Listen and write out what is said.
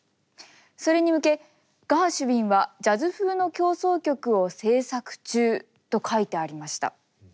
それに向けガーシュウィンはジャズ風の協奏曲を制作中と書いてありました。